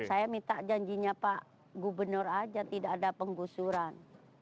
saya minta janjinya pak gubernur aja tidak ada penggusuran